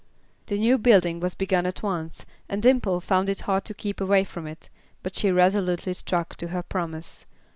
The new building was begun at once, and Dimple found it hard to keep away from it, but she resolutely stuck to her promise.